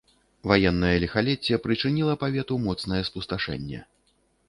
Ваеннае ліхалецце прычыніла павету моцнае спусташэнне.